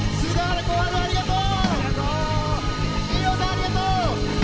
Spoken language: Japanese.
隆子、ありがとう。